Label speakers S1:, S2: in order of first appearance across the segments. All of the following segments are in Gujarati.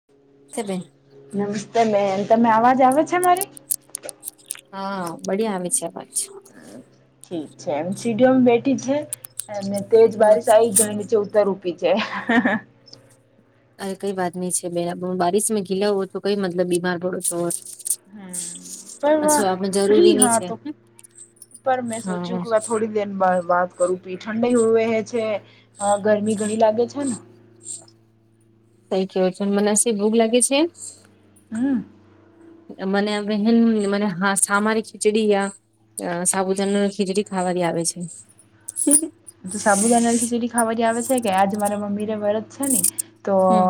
S1: [inaudible]
S2: તે બેન
S1: નમસ્તે બેન તમે અવાજ આવે છે મારી
S2: હા બળિયા આવે છે અવાજ છે.
S1: ઠીક છે એમ સીડીઓમ બેઠી છે અને તેજ
S2: હમ
S1: બારીશ આ જ જેની નીચે ઉતરર પી છેે હ હ
S2: અરે કઈ વાત નઈ છે બે બારિશ માં ઘીલા હો તો કઈ મતલબ બીમાર પડો છ હો
S1: હ પર ફ્રી
S2: ની
S1: હા
S2: છે
S1: તો પર મે
S2: હા
S1: સોચુું થોડી દેર બા વાત કરું પી ઠંડઈ વહે છે ગરમી ઘણી લાગે છે ને
S2: તઈ કેવો છો મનેશે ભોગ લાગે છે એમ
S1: હમ્મ
S2: મનેન મ હ સામારી ખીચડી અ સાબુદાણા નું ખીચડી ખાવા આવે છે.
S1: તો સાબુદાના ખીચડી ખાવાની આવે છે કે આજ મારા મમ્મીને વ્રત છે ને તો
S2: હમ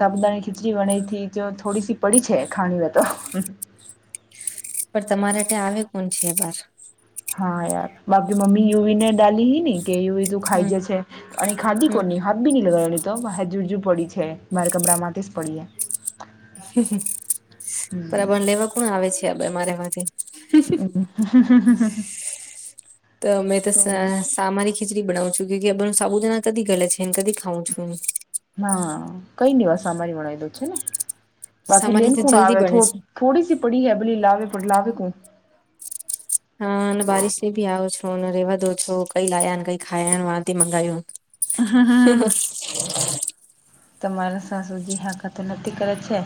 S1: સાબુદાની ખીચડી વનાથી જો થોડી સી પડી છે ખાણી હોય તો
S2: પણ તમારે તે આવે કોણ છે બાર
S1: હા યાર બાપકી મમી યુવીને ડાલી હ ને કે એવીું રીતું ખાઈ
S2: હમ
S1: જાય છે અને ખાદી
S2: હમ
S1: કોની બી ન લગે તો હજુ હજુ પડી છે મારે કમરા માંથી જ પડીએ
S2: પર
S1: હમ્મ,
S2: આબ લેવા કોણ આવે છે આ બે મારેમાંથી
S1: ઓ
S2: તમે તો [unintelligible] મારી ખીચડી બનાવું છું કે કે બધ સાબુદાના કદી ગલેે છે એને કદી ખઉં છું એ
S1: હા કઈ નિ વા સા અમારી વણ દો છે ને બાકી
S2: સામારી તો
S1: લેનકુણ
S2: જલ્દી
S1: આવે તો
S2: બને છે
S1: થોડી સી પડી હ ભલી લલાાવવે પડ લલાવેે કો
S2: હા અને બારિશ ને ભી આવો છો અને રેવા દો છો કઈ લાયા ને કઈ ખાયા વાથી મંગાવો
S1: હ તમારા સાસુજી હાકાત નતી કરે છે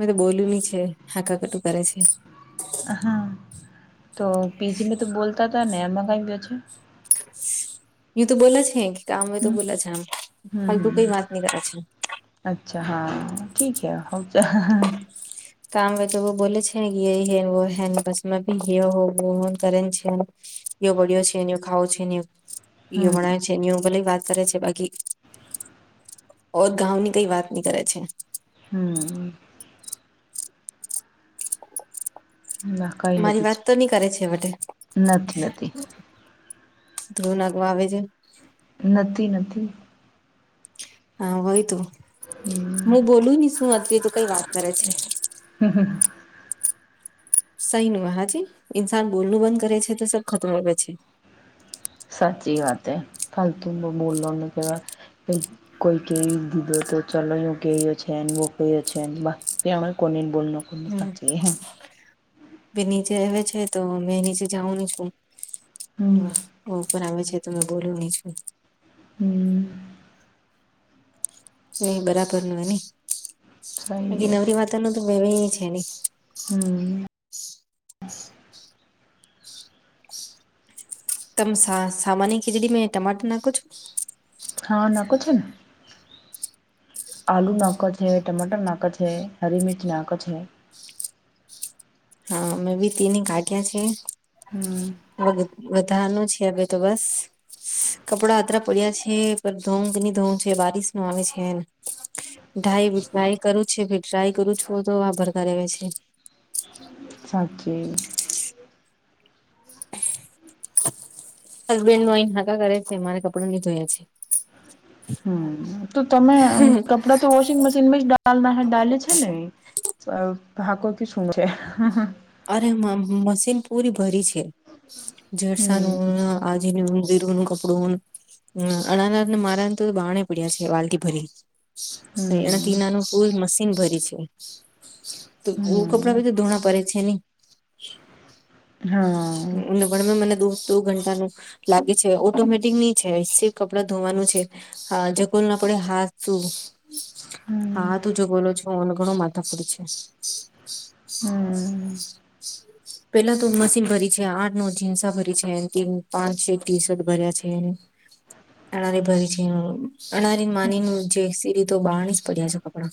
S2: મેં તો બોલ્યું નની છે હાકા કટું કરે છે
S1: હા તો પીજી મે તો બોલતા હતા નનેમ કઈ છેા
S2: યુ તો બોલા છે કામમે તો
S1: હમ્મ,
S2: બોલા છે આમ
S1: હમ્મ,
S2: ફલતુ કઈ વાત
S1: હમ્મ,
S2: ની કરે છે
S1: અચ્છા હા ઠીકે હઉ છે
S2: કામ હોય તો બોલે છેને કે એ હે હે બસમાં ભી હ હો હોન કરે છેન યો બળ્યો છેને ખાવો છે
S1: હમ્મ,
S2: યો [unintelligible] છેની ભલે વાત કરે છે બાકી ઓર ગાંની કઈ વાત નહી કરે છે
S1: હમ ના કઈ
S2: મારી
S1: નથી છે
S2: વાત તો નઈ કરે છે વટે
S1: નથી નથી
S2: ધ્રૂ નાગવા આવે છે
S1: નથી નથી નથી
S2: હા હોય તો હું બોલું ને શું અત તો કઈ વાત કરે છે
S1: હમ હમ
S2: સહી ન હાજી ઇન્સાન બોલનું બંધ કરે છે તો સબ ખતમ આવેે છે
S1: સાચી વાત એ ફાલતું બોલોનું કેવા કઈ કોઈ કવી દીધો તો ચલો એુ ક્યો છેને બ કયો છે ને બ [unintelligible]
S2: બે નીચે આવે છે તો મે નીચે જાઉંની છું
S1: હમ
S2: ઉપર આવે છે તમે બોલો હી છું
S1: [inaudible]
S2: નય બરાબર ન એ ન
S1: સહી
S2: બાકી
S1: હે
S2: નવરી વાતા ન તો મે છે નઈ
S1: હમ્મ
S2: તમ સા સામાન્ય ખીચડી મે ટમાટર નાખો છો
S1: હા નાકછને આલુ નાખો છે ટમાટર નાખો છે હરી મિરચ નાખો છે
S2: હા મેં બી તેની કાઢ્યા છે
S1: હમ
S2: ધાનું છે હવે તો બસ કપડાં અતરા પડ્યા છે પણ ધોં કે ન ધોં છે બારીિશ નો આવે છે ધાય ધાય કરું છે ડ્રાય કરું છું તો વા ભરગેવે છે.
S1: સાચી
S2: હસબેન્ડ નો અહીં હાકા કરે છે મારે કપડો નહી ધોયા છે.
S1: હમ તો તમે કપડાં તો વોશિંગ મશીનમાં જના ડાલે છે ને. હાકોર ક શું છે
S2: અરે મશીન પૂરી ભરી છે જરસાનું આજની ઉંદીરન કપડુંન હ અણાનાને મારાને તો બહારણે પડ્યા છે વાલકી ભરી
S1: હમ હમ
S2: એનાથીનાનું ફૂલ મશીન ભરી છે તો હું ખબર આપણા બધા ધૂણા પે છે નહી
S1: હા
S2: ગમે મને દો દો ઘંટા ન લાગે છે ઓટોમેટિક નની છે સ કપડા ધોવાનું છે હા જગલ ના પડે હાથ શું
S1: હમ
S2: હા તું જો બોલો છોનો ઘણો માથાપુર છે
S1: હમ
S2: પેલા તો મશીન ભરી છે આઠ નવ જીન્સા ભરી છે પાંચ છે ટી શર્ટ ભર્યા છે અરે ભરી છે અનારી માની ન જે સીડી તો બહારણી જ પડ્યા છે કપડાં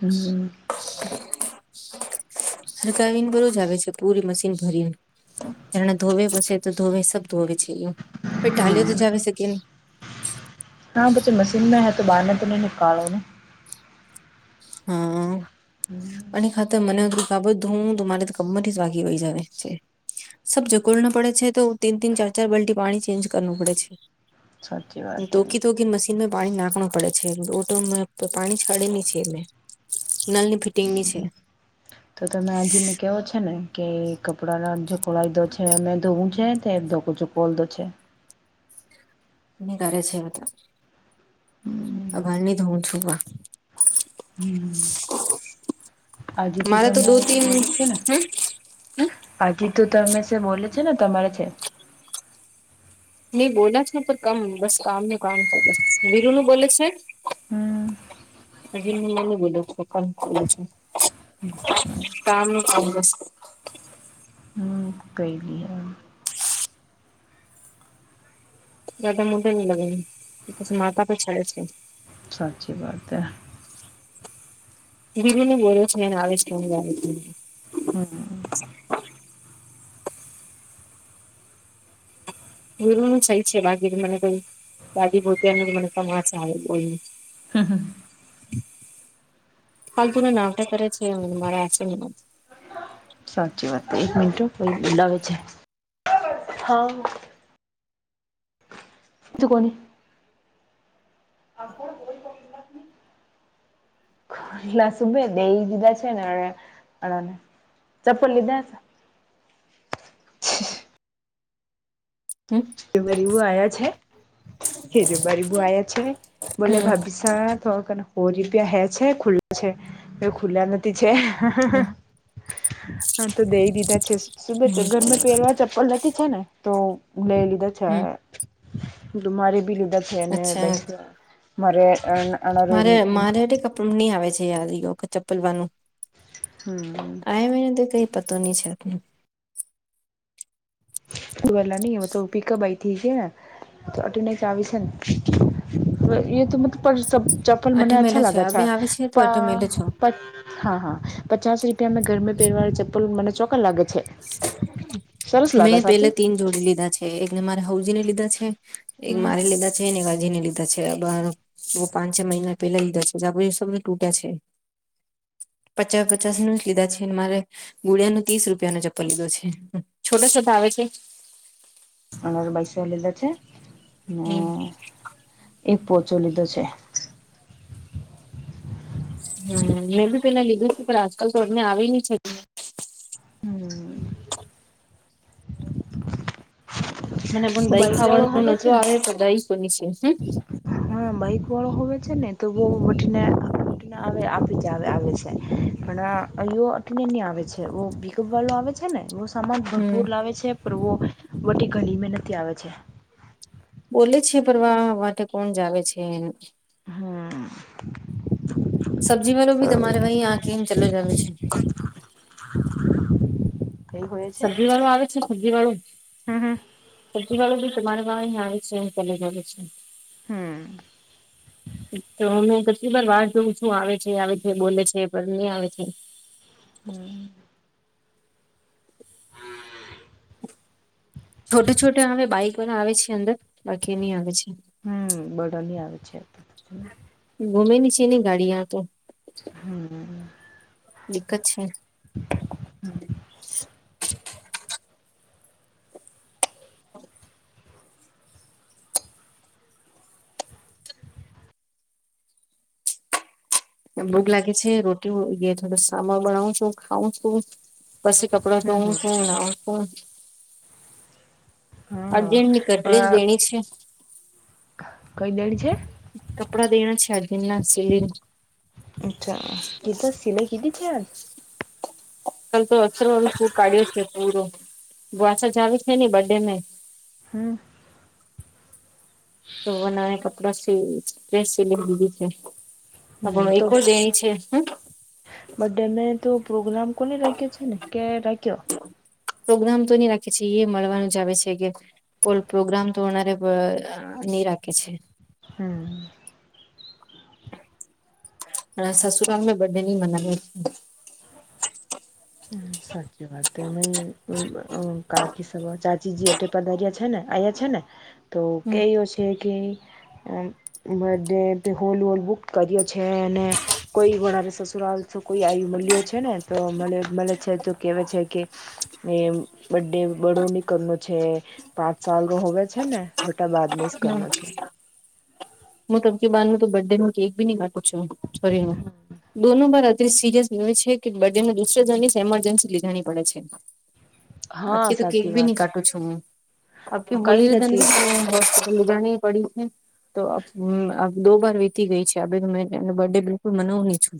S1: હમ
S2: સર કાવન બરો જ આવે પૂરી મશીન ભરીણે ધોવે પછ તો ધોવે સબ ધોવે છે ફ ટાાલઓ
S1: હમ
S2: તો જવી સકે
S1: નાા બચા મશીનમાં હ તો બારના તો ન નિકાલોને
S2: હા
S1: હમ
S2: અને ખાતર મને આ બધું હું મારે કમમર થી વાગી વહી જ છે સબ જકોલ ના પડે છે તો તીન તન ચાર ચાર બલ્ટી પાણી ચેન્જ કરવું પડે
S1: સાચી
S2: છે
S1: વાત હે
S2: તોકી તોકી મસી માં પાણી નાખણ પડે છે રોટો પાણી છાડેલી છે એને નલની ફિટિંગની છે
S1: તો તમે આજીને કેવો છે ને કે કપડાનો જોખળાયદો છે મે ધોવું છે ધો બો તો છે
S2: કરે છે બધા અભારની તો હું છું
S1: હમ આજે તો
S2: મારે
S1: તરે
S2: દો તીન
S1: બોલે છે ને
S2: હમ
S1: આજ તો તમે છે બોલે છે ને તમારે છે
S2: નઈ બોલા જ ન પણ કામ બસ કામ ન કામ છે બસ વિીરુ નું બોલે છે
S1: હમ
S2: આજે નને બોલો સકલ ચલે છે કામ કામ જસ્
S1: કઈલી હ
S2: જદા મોઢે ન લગેછ માતા પે છાડે છે
S1: સાચી વાત હ
S2: બીરુ ું બોલો છે એને આવીશ કેમ ગ
S1: હમ
S2: ગુરુ નું થઈ છે બાકીી મને કઈ દાદી ભોત ન મને સમાસ આવે બોયને
S1: હા હા
S2: પાલ્ગુના નાવટ કરે છે મારે આ છે
S1: સાચી વાત એક મિંટો બોલાવે છે તો કોને [inaudible] યા સુભે દેહી દીધા છે અને ને ચપ્પલ લીધા છે
S2: હમ
S1: હરીવું આયા છે રબારી બુન આયા છે બોલો
S2: હમ
S1: ભાભી શું એલા તો કણ પોચ રૂપિયા હે છે ખુલ્લા છે એ ખુલ્લા નથી છે હા તો દેઈ દીધા છે સુભ
S2: હમ
S1: ઘરમાં પહેરવા ચપ્પલ જ છે ને તો લઈ
S2: હમ
S1: લીધા છે મારે ભી લીધા છે ને
S2: અચ્છા
S1: પૈસા મારે અન અને લઈન
S2: તુમ ની આવે છે યાદ એ વખત ચપલવાનું
S1: હમ.
S2: કાઈ ની તો કાઈ પતો ની છે આપ
S1: વેલા ની અવતું તું કી કા બાઈ તિક હે. થોટ ને ચાવી સે ન [unintelligible] પણ મને
S2: અઠમેલો
S1: અચ્છા
S2: છે
S1: લાગ છ,
S2: હવે આવે છે તો
S1: તા
S2: અઠમેલો છો
S1: હા, હા, પચાસ રૂપિયા મેં ઘરમે પહેરવાળી ચપ્પલ મને ચોક્ખા લાગે છે. સરસ લાગે
S2: મેં પેલે
S1: સાચી
S2: તીન જોડી લીધા છે, એકને મારે હવજીને લીધા છે. એક
S1: હમ
S2: મારી લીધા છે ને હવજીને લીધા છે અબ હા વો પાંચ છ મહિના પેલા લીધા છે, [unintelligible] તૂટા છે. પચા-પચાસનું જ લીધા છે, ને મારે બોળિયાનું ત્રીસ રૂપ તેનો ચપ્પલ લીધો છે, છોટો-છોટો આવે છે.
S1: અને રો બાયસો લીધો છે, ને
S2: હમ
S1: એક પોછો લીધો છે.
S2: હમ. [unintelligible] પેલા લીધું તું ખરા કલ [unintelligible] તો મે આવેલી છે.
S1: હમ.
S2: મને પણ દહી
S1: બાઈક વાળો
S2: ખાવાનું
S1: છે
S2: નતું
S1: ને
S2: આવે તો દહી તો [unintelligible] હમ.
S1: હા, માઈકવાળો હોવે છે ને, તો બઉ વટીના આ વટીના આવે આપી જા આવે આવે છે. ઘણા અયો અઠનેની આવે છે, વો પિકઅપ વાલો આવે છે ને વો સામાન
S2: હમ
S1: ભરપૂર લાવે છે. પ્રો વટી ગલીમે નથી આવે છે.
S2: બોલે છે ફરવા વાટે કોણ જાવે છે ન.
S1: હાં.
S2: સબ્જી વાળું બી તમારે વહી આ કેમ ચલો જાવે છે.
S1: [inaudible] છે
S2: સબ્જી વાળો આવે છે, સબ્જી વાડો.
S1: હમ હમ
S2: સબ્જી વાડો બી તમારે વાહી આવે છે ન ચલો જાવે છે ન.
S1: હમ
S2: તોનું પ તે દાર વાર જોવુ છું, આવે છે, આવે છે, બોલે છે, પર ની આવે છે.
S1: હમ.
S2: છોટુ છોટે આવે બાઈક વારા આવે છે અંદર, બાકી ની આવે છે.
S1: હમ, બધા ની આવે છે એ તો.
S2: ગોમે ની છે ની ગાડી આ તો.
S1: હમ.
S2: એક જ છે.
S1: હમ [unintelligible]
S2: ને ભૂખ લાગે છે, રોટી હો [unintelligible] થોડુ સામા બનાવુ છું, ખાઉ છું. પછી કપડા ધોવું
S1: હમ
S2: શું, નાઉં શું.
S1: હમ, હઅ
S2: છે
S1: કઈ દડી છે?
S2: કપડા દેના છે, આજ ના સીલીન
S1: અચ્છા, કીધા સિલાઈ કીધી છે આજ.
S2: કલ તો અસરો શૂર કાઢ્યો છે પૂરો, પાછો જાવે છે ને બડે મેં.
S1: હમ [unintelligible]
S2: તો વનાવે કપડા સીલ, તે સીલાઈ દીધું તુ. આપણો એકો જ [unintelligible] છે હન.
S1: બડે મેં તો પ્રોગ્રામ કોને રાખ્યો છે ને કે રાખ્યો.
S2: પ્રોગ્રામ તો ની રાખે છે એ મળવાનું જ આવે છે કે તોલ પ્રોગ્રામ તો અનારે પ ની રાખે છે.
S1: હમ.
S2: અ સસુરાલ મે બર્ડેની મનાવે
S1: સાચી વાત તમે કાકી સબ ચાચી જે એટ પધાર્યા છે ને આવ્યા છે ને તો
S2: હમ
S1: કયો છે કે birthday hall hall book કરીએ છે અને કોઈ ઘરે સસુરાાલ કોઈ આયુ મળ્યો છે ને તો મળે છે તો કેવા છે કે એ બે બડો નીકર ન છે પાંચ સાલ ન હોવે છે ને બટા બાદમાંઇ
S2: હમ
S1: કરના છે
S2: હું તમકે બહાર ન તો બર્થ ડે ન કેક બી નહી વાું છું છોરી ન દોનો બાર અત્રી સિરિયસ ન છે કે બને દુસરે જણની એમરજન્સી લીધાની પડે છે [inaudible] આપ
S1: હા
S2: કે તો કેક
S1: સાચી
S2: ભ ન
S1: વાત
S2: કાટું છું હું અ કે
S1: કઈ
S2: હોલીન
S1: નથી જ
S2: લધાની પડી છે તો હમ દો બાર વીતી ગઈ છે આે તો મે એનો બર્થ ડે બિલકુલ મનાવ નહી છું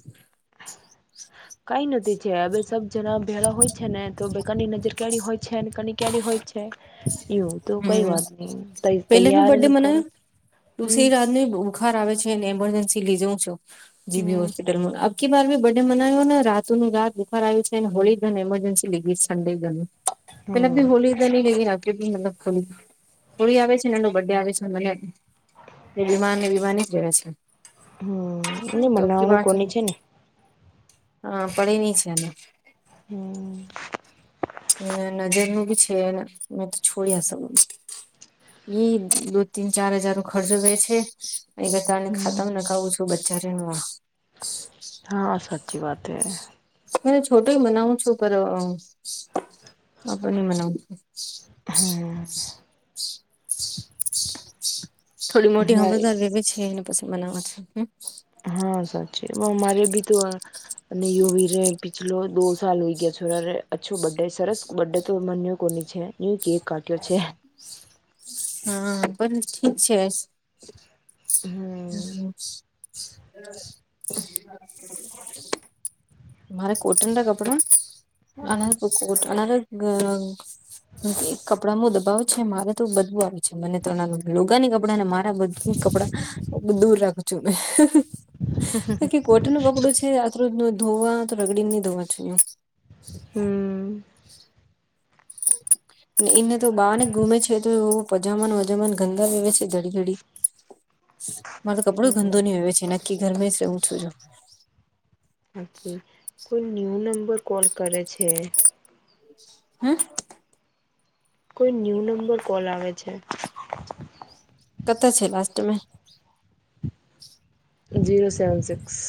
S1: કઈ નથી છે અ સબ જણા ભેળા હોય છે ને તો કની નજર કેારી હોય છે કન કે્યારેારી હોય છે એવું તો કઈ
S2: હમ
S1: વાત નઈ તૈયાર ન કરો
S2: તું સ
S1: હમ
S2: રાત ન બુખાર આવે છે અનેને એમરજન્સી લઈ જઉં છો જીબી
S1: હમ
S2: હોસ્પિટ અખીાર બી બર્ ડે મનાવ્યો ને રાતુની રાત બુખાર આવ્યું છે અને હોળી ધન એમરજન્સી લીધી છે ઠંડે ગને પેલાી
S1: હમ
S2: હોળલી લેવી રાખ મતલબ ખો ફોી આવે છે એ બર્ડે આવે છે મને એ બીમાન ને બીમાની જ રહે છે
S1: હમ એ
S2: તો
S1: બનાવણું કોની છે ને
S2: હા પડીે ની છે એને
S1: હમ
S2: ના નજરનું બી છે મે તો છોડી ના શકું દો તીન ચાર હજાર ખર્ચો ગે છે એ બધાને
S1: હમ
S2: ખાતામ ન ખાવું છું બજારનું
S1: હા સાચી વાત હૈ
S2: મને છોટુંય મનાવું છું પર આપ મનાવું છું [unintelligible]
S1: હમ
S2: થોડી મોટી
S1: મારે
S2: હમદાર લેવી છે એને પ બનાવવા છે
S1: હા સાચી અરે ભી તો અને યોવી રે પિછલો દો સાલ હોય ગયા છોરા રે અછો બે સરસ બર્ડે તોને ન્યૂ કોની છે ન્યુ કેક કાટ્યો છે
S2: હા પણ ઠીક છે હમ હમ મારે કોટન ના કપડા અલગ અલરગ મ એક કપડામાં દબાવ છે મારે તો બધું આવે છે મને ત્ર લોગાની કપડા ને મારા બધ કપડા દૂર રાખું છુંકી કોટન નું કપડું છે રાજ ધોવા તો રગડીને નહી ધવા જો
S1: હમ
S2: એને તો બહને ગુમે છે તો એ પજામાન વજામાન ગંદા વવે છે મારો કપડો ગંદો નહી હો છે નકી ઘરમે જ રું છું
S1: હી કોઈ ન્યુ નંબર કોલ કરે છે
S2: હમ
S1: કોઈ ન્યૂ નંબર કોલ આવે છે
S2: કત છે લાસ્ટ મે
S1: જઝીરો સેવન સિક્સ